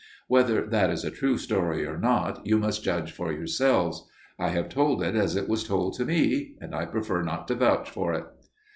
"Whether that is a true story or not you must judge for yourselves. I have told it as it was told to me, and I prefer not to vouch for it."